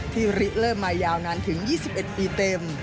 ที่ริเลอร์มายาวนานถึง๒๑ปีเต็ม